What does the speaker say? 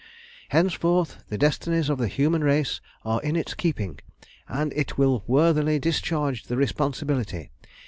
"Henceforth the destinies of the human race are in its keeping, and it will worthily discharge the responsibility.